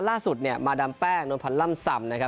ล่าสุดแมดับแป้งโนทัลน์ล่ำซ่ำ